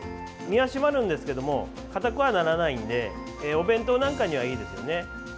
身が締まるんですけどもかたくはならないのでお弁当なんかにはいいですね。